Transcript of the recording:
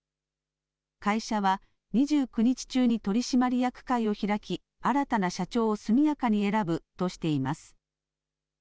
会社は２９日中に取締役会を開き新たな社長を速やかに選ぶとしています。